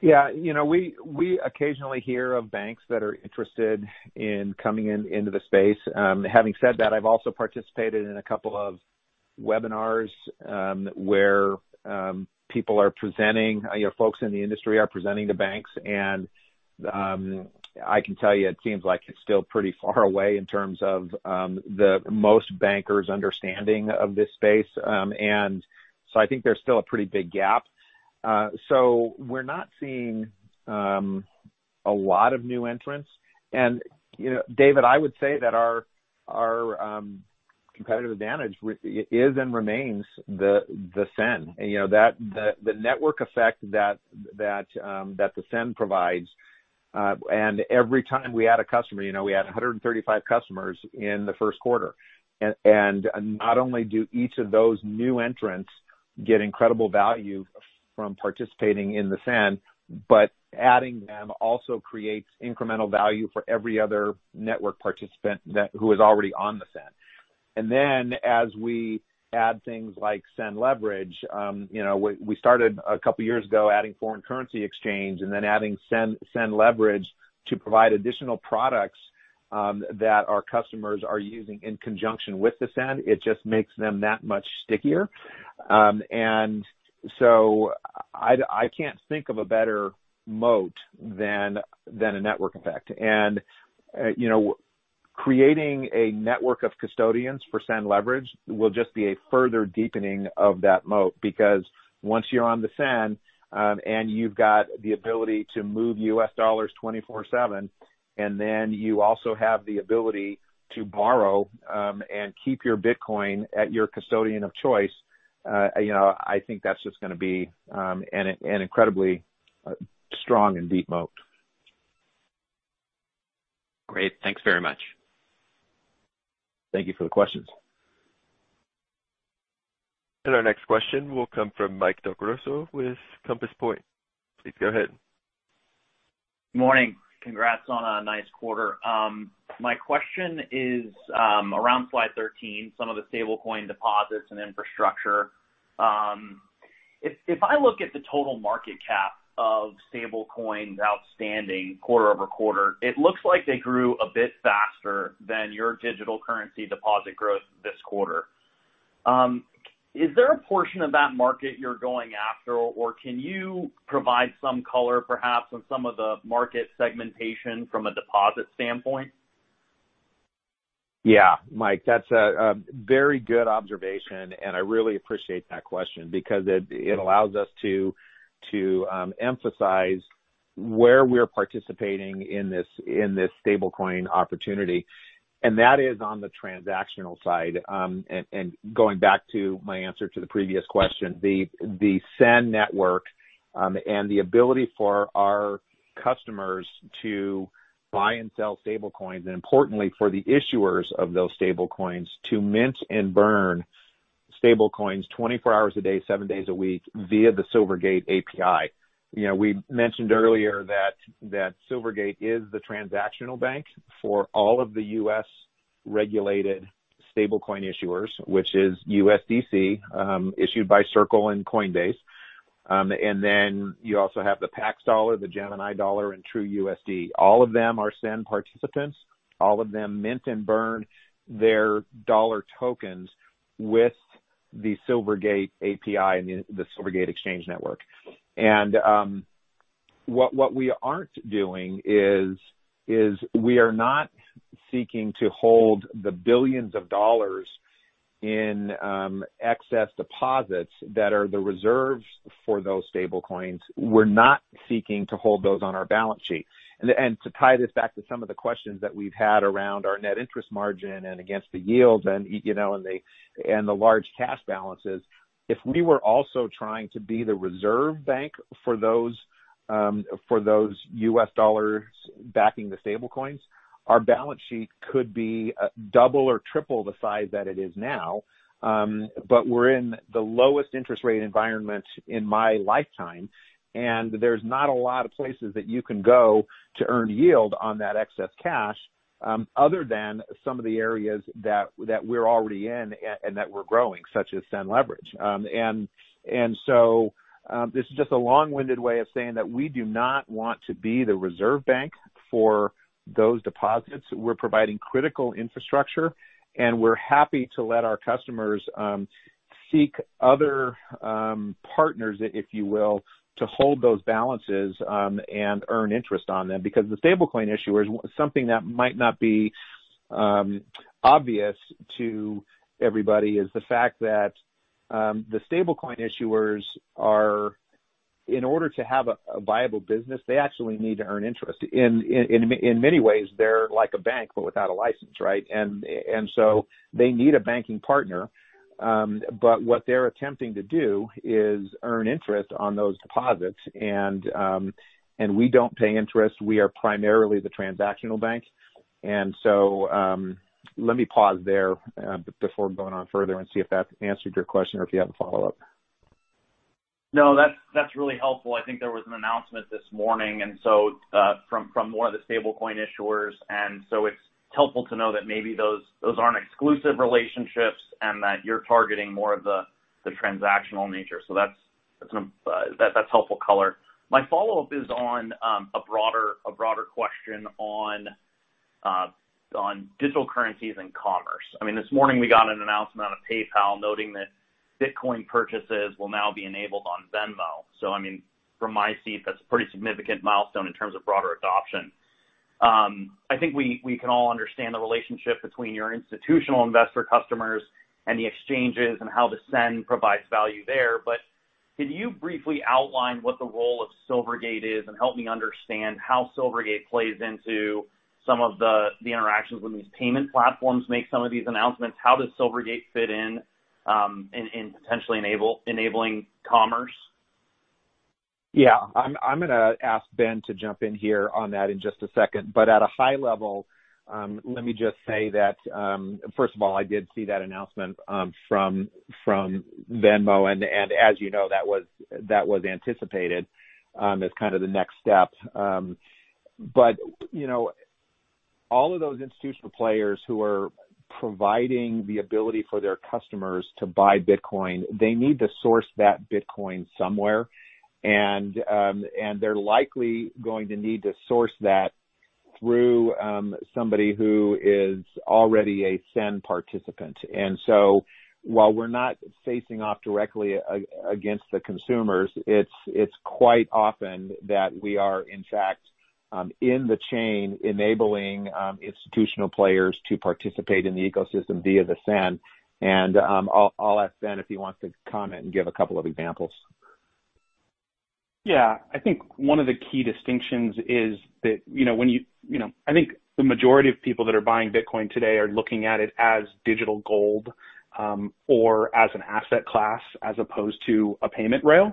Yeah. We occasionally hear of banks that are interested in coming into the space. Having said that, I've also participated in a couple of webinars where folks in the industry are presenting to banks, and I can tell you, it seems like it's still pretty far away in terms of the most bankers' understanding of this space. I think there's still a pretty big gap. We're not seeing a lot of new entrants. David, I would say that our competitive advantage is and remains the SEN, the network effect that the SEN provides. Every time we add a customer, we added 135 customers in the first quarter. Not only do each of those new entrants get incredible value from participating in the SEN, but adding them also creates incremental value for every other network participant who is already on the SEN. As we add things like SEN Leverage, we started a couple of years ago adding foreign currency exchange and then adding SEN Leverage to provide additional products that our customers are using in conjunction with the SEN. It just makes them that much stickier. I can't think of a better moat than a network effect. Creating a network of custodians for SEN Leverage will just be a further deepening of that moat, because once you're on the SEN, and you've got the ability to move U.S. dollars 24/7, and then you also have the ability to borrow and keep your Bitcoin at your custodian of choice, I think that's just going to be an incredibly strong and deep moat. Great. Thanks very much. Thank you for the questions. Our next question will come from Mike Del Grosso with Compass Point. Please go ahead. Morning. Congrats on a nice quarter. My question is around slide 13, some of the stablecoin deposits and infrastructure. If I look at the total market cap of stablecoins outstanding quarter-over-quarter, it looks like they grew a bit faster than your digital currency deposit growth this quarter. Is there a portion of that market you're going after, or can you provide some color perhaps on some of the market segmentation from a deposit standpoint? Yeah, Mike, that's a very good observation. I really appreciate that question because it allows us to emphasize where we're participating in this stablecoin opportunity, and that is on the transactional side. Going back to my answer to the previous question, the SEN network and the ability for our customers to buy and sell stablecoins, and importantly, for the issuers of those stablecoins to mint and burn stablecoins 24 hours a day, seven days a week via the Silvergate API. We mentioned earlier that Silvergate is the transactional bank for all of the U.S.-regulated stablecoin issuers, which is USDC, issued by Circle and Coinbase. You also have the Pax Dollar, the Gemini Dollar, and TrueUSD. All of them are SEN participants. All of them mint and burn their dollar tokens with the Silvergate API and the Silvergate Exchange Network. What we aren't doing is we are not seeking to hold the billions of dollars in excess deposits that are the reserves for those stablecoins. We're not seeking to hold those on our balance sheet. To tie this back to some of the questions that we've had around our net interest margin and against the yields and the large cash balances, if we were also trying to be the reserve bank for those US dollars backing the stablecoins, our balance sheet could be double or triple the size that it is now. We're in the lowest interest rate environment in my lifetime, and there's not a lot of places that you can go to earn yield on that excess cash other than some of the areas that we're already in and that we're growing, such as SEN Leverage. This is just a long-winded way of saying that we do not want to be the reserve bank for those deposits. We're providing critical infrastructure, and we're happy to let our customers seek other partners, if you will, to hold those balances and earn interest on them. The stablecoin issuers, something that might not be obvious to everybody, is the fact that the stablecoin issuers are, in order to have a viable business, they actually need to earn interest. In many ways, they're like a bank, but without a license, right? They need a banking partner. What they're attempting to do is earn interest on those deposits, and we don't pay interest. We are primarily the transactional bank. Let me pause there before going on further and see if that answered your question or if you have a follow-up. No, that's really helpful. I think there was an announcement this morning from one of the stablecoin issuers. It's helpful to know that maybe those aren't exclusive relationships and that you're targeting more of the transactional nature. That's helpful color. My follow-up is on a broader question on digital currencies and commerce. This morning, we got an announcement out of PayPal noting that Bitcoin purchases will now be enabled on Venmo. From my seat, that's a pretty significant milestone in terms of broader adoption. I think we can all understand the relationship between your institutional investor customers and the exchanges and how the SEN provides value there. Could you briefly outline what the role of Silvergate is and help me understand how Silvergate plays into some of the interactions when these payment platforms make some of these announcements? How does Silvergate fit in potentially enabling commerce? Yeah. I'm going to ask Ben to jump in here on that in just a second. At a high level, let me just say that, first of all, I did see that announcement from Venmo, and as you know, that was anticipated as kind of the next step. All of those institutional players who are providing the ability for their customers to buy Bitcoin, they need to source that Bitcoin somewhere. They're likely going to need to source that through somebody who is already a SEN participant. While we're not facing off directly against the consumers, it's quite often that we are, in fact, in the chain enabling institutional players to participate in the ecosystem via the SEN. I'll ask Ben if he wants to comment and give a couple of examples. Yeah. I think one of the key distinctions is that, I think the majority of people that are buying Bitcoin today are looking at it as digital gold or as an asset class as opposed to a payment rail.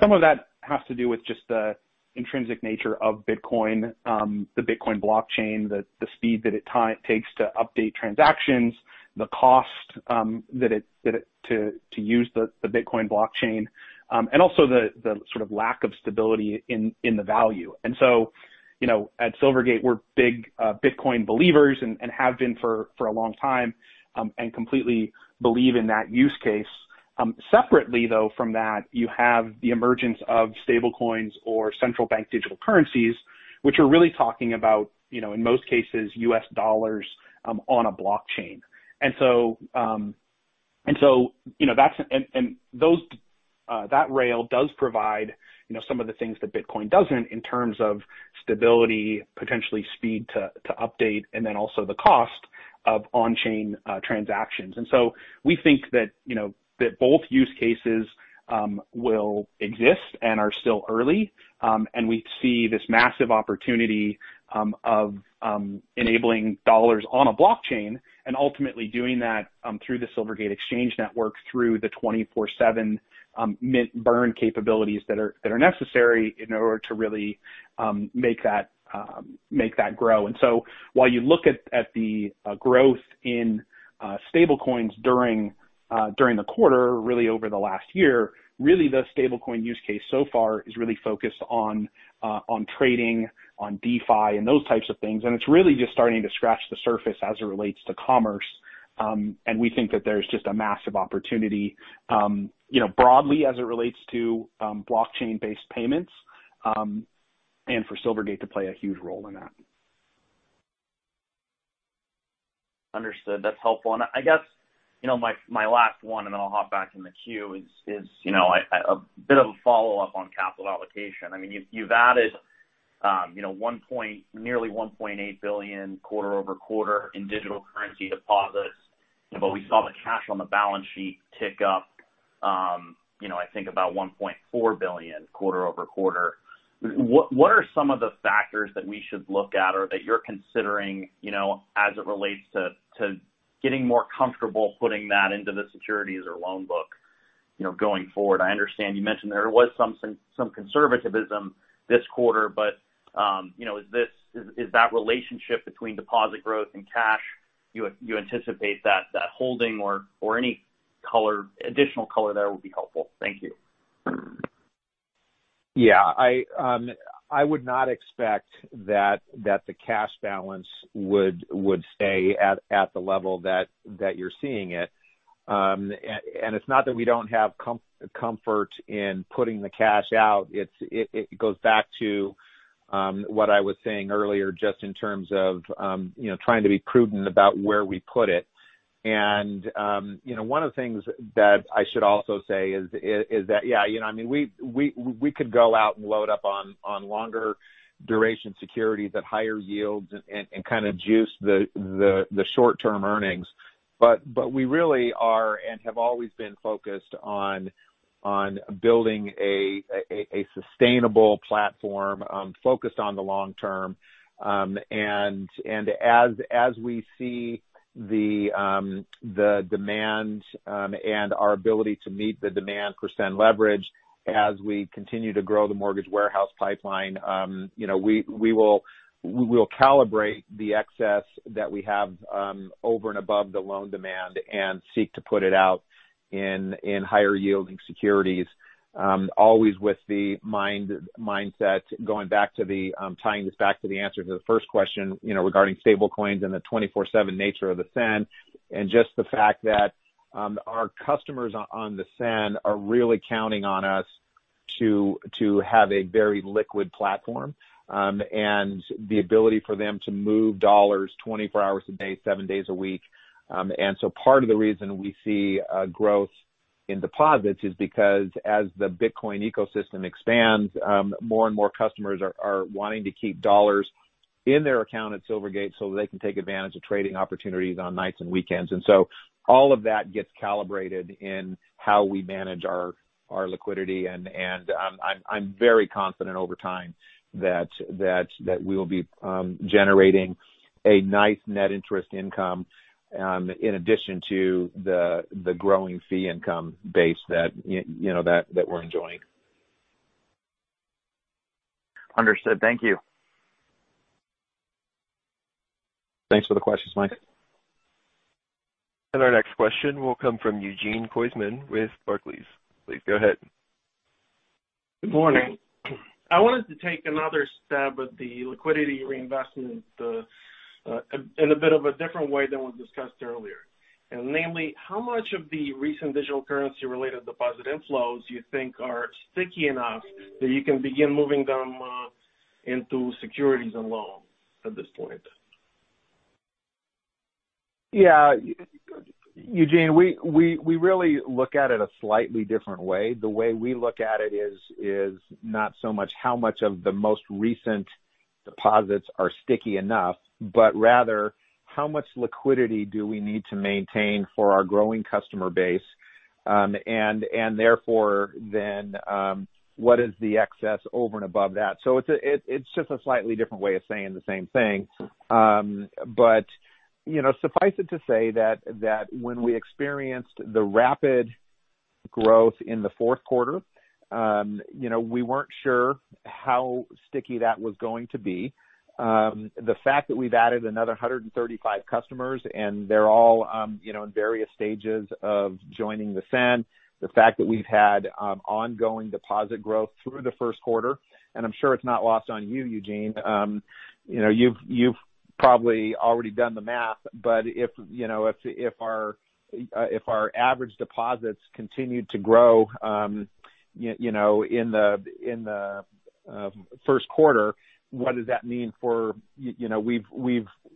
Some of that has to do with just the intrinsic nature of Bitcoin, the Bitcoin blockchain, the speed that it takes to update transactions, the cost to use the Bitcoin blockchain, and also the sort of lack of stability in the value. So at Silvergate, we're big Bitcoin believers and have been for a long time and completely believe in that use case. Separately, though, from that, you have the emergence of stablecoins or central bank digital currencies, which are really talking about, in most cases, U.S. dollars on a blockchain. That rail does provide some of the things that Bitcoin doesn't in terms of stability, potentially speed to update, and then also the cost of on-chain transactions. We think that both use cases will exist and are still early. We see this massive opportunity of enabling dollars on a blockchain and ultimately doing that through the Silvergate Exchange Network, through the 24/7 mint burn capabilities that are necessary in order to really make that grow. While you look at the growth in stablecoins during the quarter, really over the last year, really the stablecoin use case so far is really focused on trading, on DeFi, and those types of things. It's really just starting to scratch the surface as it relates to commerce. We think that there's just a massive opportunity, broadly as it relates to blockchain-based payments, and for Silvergate to play a huge role in that. Understood. That's helpful. I guess my last one, and then I'll hop back in the queue is a bit of a follow-up on capital allocation. You've added nearly $1.8 billion quarter-over-quarter in digital currency deposits, but we saw the cash on the balance sheet tick up I think about $1.4 billion quarter-over-quarter. What are some of the factors that we should look at or that you're considering as it relates to getting more comfortable putting that into the securities or loan book going forward? I understand you mentioned there was some conservatism this quarter. Is that relationship between deposit growth and cash, you anticipate that holding or any additional color there would be helpful. Thank you. Yeah. I would not expect that the cash balance would stay at the level that you're seeing it. It's not that we don't have comfort in putting the cash out. It goes back to what I was saying earlier, just in terms of trying to be prudent about where we put it. One of the things that I should also say is that, yeah, we could go out and load up on longer duration securities at higher yields and kind of juice the short-term earnings. We really are and have always been focused on building a sustainable platform, focused on the long term. As we see the demand and our ability to meet the demand for SEN Leverage as we continue to grow the mortgage warehouse pipeline, we will calibrate the excess that we have over and above the loan demand and seek to put it out in higher yielding securities. Always with the mindset, tying this back to the answer to the first question regarding stablecoins and the 24/7 nature of the SEN, and just the fact that our customers on the SEN are really counting on us to have a very liquid platform, and the ability for them to move dollars 24 hours a day, seven days a week. As part of the reason we see a growth in deposits is because as the Bitcoin ecosystem expands, more and more customers are wanting to keep dollars in their account at Silvergate so they can take advantage of trading opportunities on nights and weekends. All of that gets calibrated in how we manage our liquidity. I'm very confident over time that we will be generating a nice net interest income, in addition to the growing fee income base that we're enjoying. Understood. Thank you. Thanks for the questions, Mike. Our next question will come from Eugene Koysman with Barclays. Please go ahead. Good morning. I wanted to take another stab at the liquidity reinvestment in a bit of a different way than was discussed earlier. Namely, how much of the recent digital currency-related deposit inflows do you think are sticky enough that you can begin moving them into securities and loans at this point? Yeah. Eugene, we really look at it a slightly different way. The way we look at it is not so much how much of the most recent deposits are sticky enough, but rather how much liquidity do we need to maintain for our growing customer base. Therefore, then what is the excess over and above that? It's just a slightly different way of saying the same thing. Suffice it to say that when we experienced the rapid growth in the fourth quarter, we weren't sure how sticky that was going to be. The fact that we've added another 135 customers and they're all in various stages of joining the SEN, the fact that we've had ongoing deposit growth through the first quarter, I'm sure it's not lost on you, Eugene. You've probably already done the math. If our average deposits continued to grow in the first quarter, what does that mean for.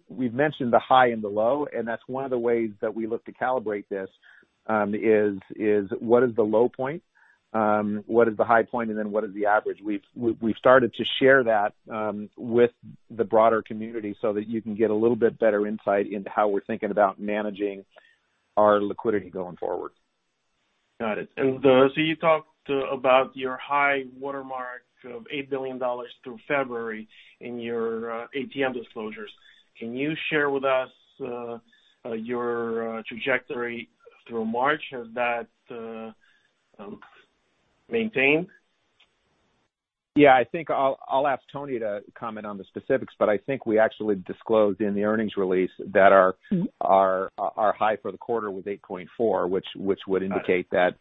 We've mentioned the high and the low, and that's one of the ways that we look to calibrate this is what is the low point? What is the high point and then what is the average? We've started to share that with the broader community so that you can get a little bit better insight into how we're thinking about managing our liquidity going forward. Got it. You talked about your high watermark of $8 billion through February in your ATM disclosures. Can you share with us your trajectory through March? Has that maintained? Yeah. I think I'll ask Tony to comment on the specifics, but I think we actually disclosed in the earnings release that our high for the quarter was 8.4, which would indicate that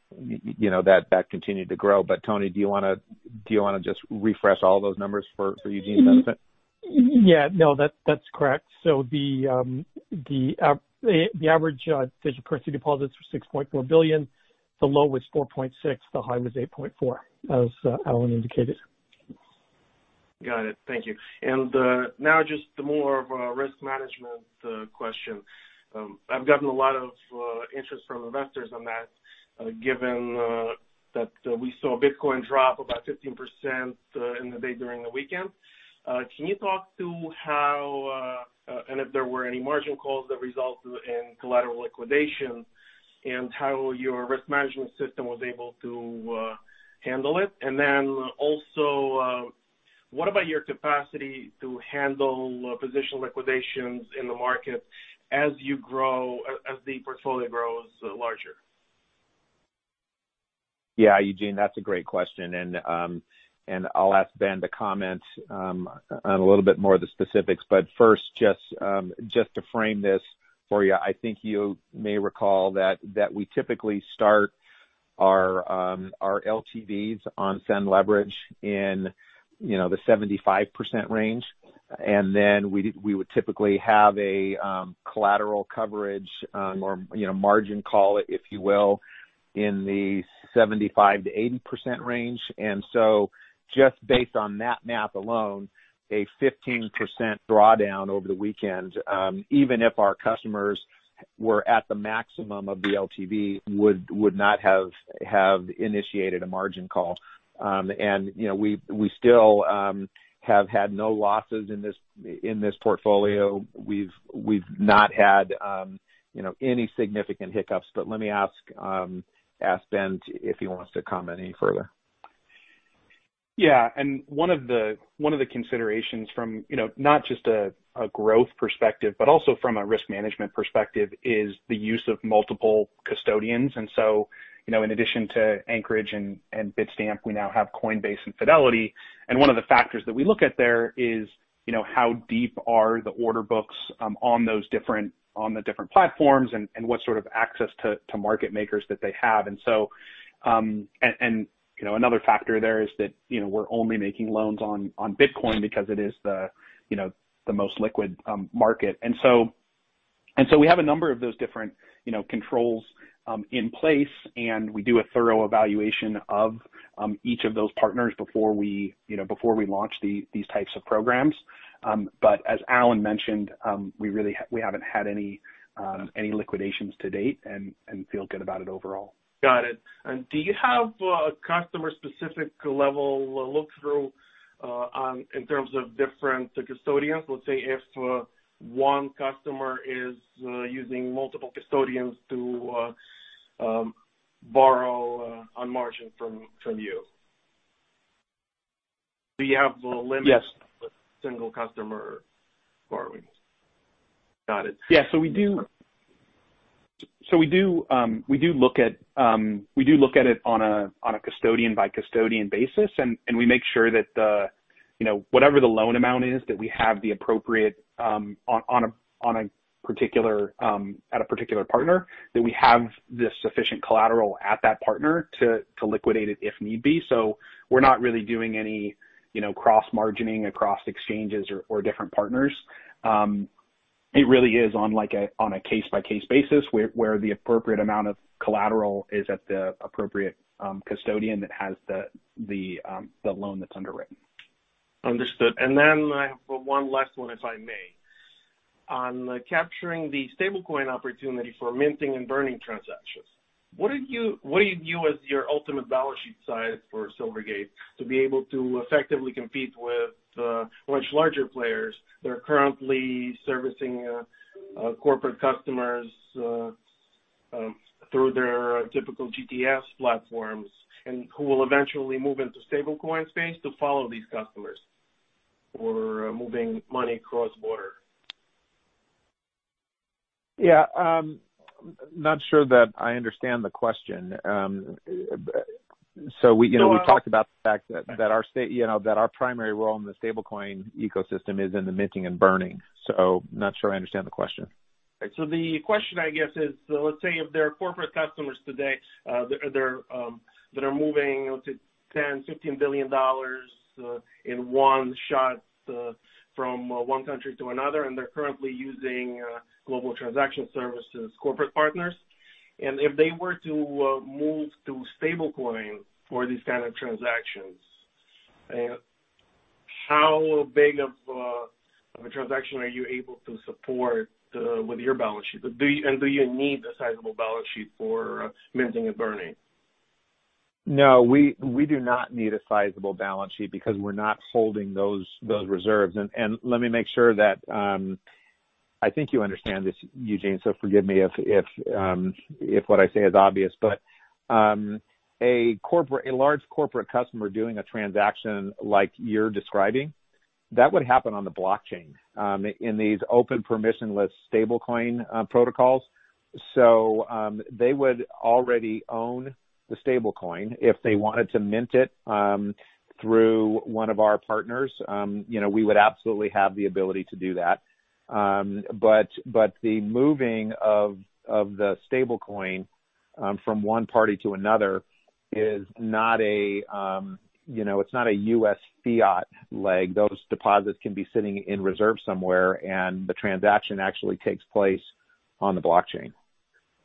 continued to grow. Tony, do you want to just refresh all those numbers for Eugene's benefit? Yeah. No, that's correct. The average digital currency deposits were $6.4 billion. The low was $4.6 billion, the high was $8.4 billion, as Alan indicated. Got it. Thank you. Now just more of a risk management question. I've gotten a lot of interest from investors on that, given that we saw Bitcoin drop about 15% in the day during the weekend. Can you talk to how, and if there were any margin calls that resulted in collateral liquidation, and how your risk management system was able to handle it? Also, what about your capacity to handle position liquidations in the market as the portfolio grows larger? Eugene, that's a great question. I'll ask Ben to comment on a little bit more of the specifics. First, just to frame this for you, I think you may recall that we typically start our LTVs on SEN Leverage in the 75% range. Then we would typically have a collateral coverage, or margin call, if you will, in the 75%-80% range. Just based on that math alone, a 15% drawdown over the weekend, even if our customers were at the maximum of the LTV, would not have initiated a margin call. We still have had no losses in this portfolio. We've not had any significant hiccups, but let me ask Ben if he wants to comment any further. Yeah. One of the considerations from not just a growth perspective, but also from a risk management perspective, is the use of multiple custodians. In addition to Anchorage and Bitstamp, we now have Coinbase and Fidelity. One of the factors that we look at there is how deep are the order books on the different platforms, and what sort of access to market makers that they have. Another factor there is that we're only making loans on Bitcoin because it is the most liquid market. We have a number of those different controls in place, and we do a thorough evaluation of each of those partners before we launch these types of programs. As Alan mentioned, we haven't had any liquidations to date and feel good about it overall. Got it. Do you have a customer-specific level look-through in terms of different custodians? Let's say if one customer is using multiple custodians to borrow on margin from you. Do you have limits? Yes. With single customer borrowings? Got it. Yeah. We do look at it on a custodian-by-custodian basis, and we make sure that whatever the loan amount is, that we have the appropriate, at a particular partner, that we have the sufficient collateral at that partner to liquidate it if need be. We're not really doing any cross-margining across exchanges or different partners. It really is on a case-by-case basis, where the appropriate amount of collateral is at the appropriate custodian that has the loan that's underwritten. Understood. I have one last one, if I may. On capturing the stablecoin opportunity for minting and burning transactions, what do you view as your ultimate balance sheet size for Silvergate to be able to effectively compete with much larger players that are currently servicing corporate customers through their typical GTS platforms, and who will eventually move into stablecoin space to follow these customers for moving money cross-border? Yeah. Not sure that I understand the question. No- Talked about the fact that our primary role in the stablecoin ecosystem is in the minting and burning. Not sure I understand the question. The question, I guess, is, let's say if there are corporate customers today that are moving let's say $10 billion-$15 billion in one shot from one country to another, and they're currently using global transaction services corporate partners. If they were to move to stablecoin for these kind of transactions, how big of a transaction are you able to support with your balance sheet? Do you need a sizable balance sheet for minting and burning? No, we do not need a sizable balance sheet because we're not holding those reserves. Let me make sure that, I think you understand this, Eugene, so forgive me if what I say is obvious, but a large corporate customer doing a transaction like you're describing, that would happen on the blockchain, in these open permissionless stablecoin protocols. They would already own the stablecoin. If they wanted to mint it through one of our partners, we would absolutely have the ability to do that. The moving of the stablecoin from one party to another it's not a U.S. fiat leg. Those deposits can be sitting in reserve somewhere and the transaction actually takes place on the blockchain.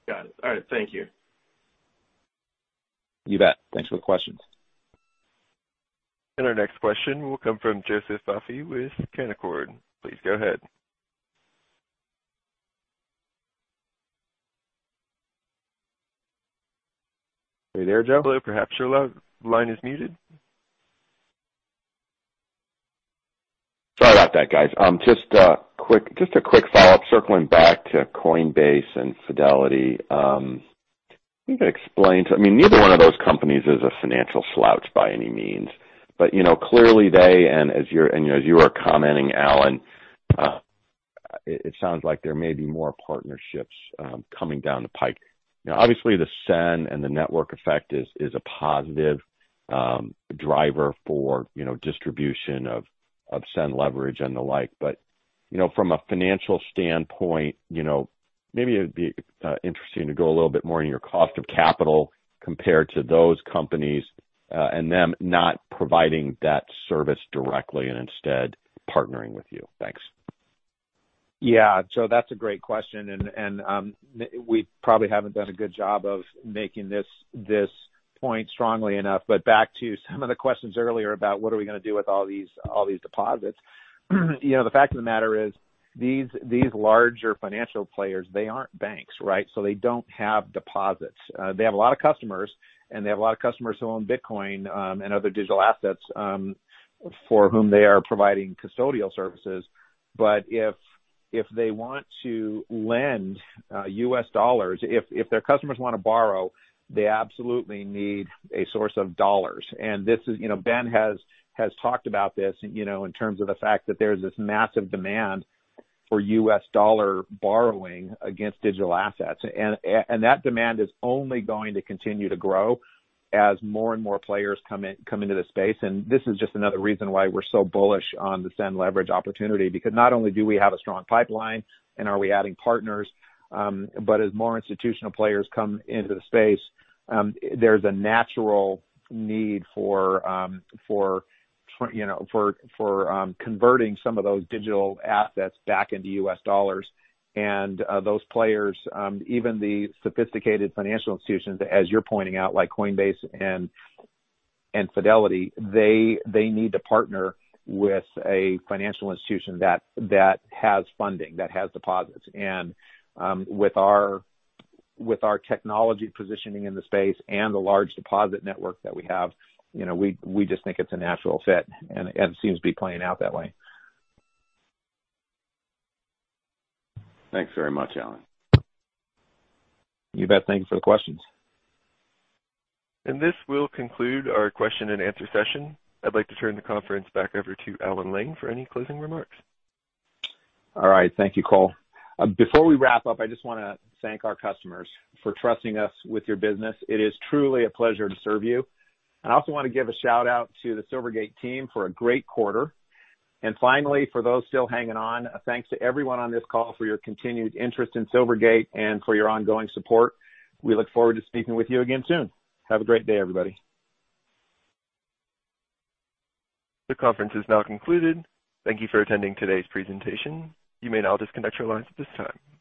Got it. All right, thank you. You bet. Thanks for the questions. Our next question will come from Joseph Vafi with Canaccord. Please go ahead. Are you there, Joe? Hello, perhaps your line is muted. Sorry about that, guys. Just a quick follow-up circling back to Coinbase and Fidelity. Neither one of those companies is a financial slouch by any means. Clearly they, and as you were commenting, Alan, it sounds like there may be more partnerships coming down the pike. Obviously the SEN and the network effect is a positive driver for distribution of SEN Leverage and the like. From a financial standpoint, maybe it would be interesting to go a little bit more in your cost of capital compared to those companies, and them not providing that service directly and instead partnering with you. Thanks. Yeah, Joe, that's a great question. We probably haven't done a good job of making this point strongly enough. Back to some of the questions earlier about what are we going to do with all these deposits. The fact of the matter is these larger financial players, they aren't banks, right? They don't have deposits. They have a lot of customers, and they have a lot of customers who own Bitcoin, and other digital assets, for whom they are providing custodial services. If they want to lend U.S. dollars, if their customers want to borrow, they absolutely need a source of dollars. Ben has talked about this in terms of the fact that there's this massive demand for U.S. dollar borrowing against digital assets. That demand is only going to continue to grow as more and more players come into the space. This is just another reason why we're so bullish on the SEN Leverage opportunity, because not only do we have a strong pipeline and are we adding partners, but as more institutional players come into the space, there's a natural need for converting some of those digital assets back into U.S. dollars. Those players, even the sophisticated financial institutions, as you're pointing out, like Coinbase and Fidelity, they need to partner with a financial institution that has funding, that has deposits. With our technology positioning in the space and the large deposit network that we have, we just think it's a natural fit and seems to be playing out that way. Thanks very much, Alan. You bet. Thank you for the questions. This will conclude our question and answer session. I'd like to turn the conference back over to Alan Lane for any closing remarks. All right. Thank you, Cole. Before we wrap up, I just want to thank our customers for trusting us with your business. It is truly a pleasure to serve you. I also want to give a shout-out to the Silvergate team for a great quarter. Finally, for those still hanging on, thanks to everyone on this call for your continued interest in Silvergate and for your ongoing support. We look forward to speaking with you again soon. Have a great day, everybody. The conference is now concluded. Thank you for attending today's presentation. You may now disconnect your lines at this time.